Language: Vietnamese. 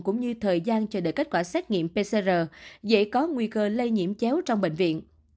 cũng như thời gian chờ đợi kết quả xét nghiệm pcr dễ có nguy cơ lây nhiễm chéo trong bệnh viện